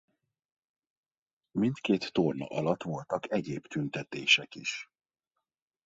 Mindkét torna alatt voltak egyéb tüntetések is.